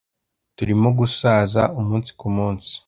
Turimo gusaza umunsi kumunsi